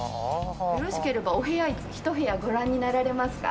よろしければお部屋一部屋ご覧になられますか？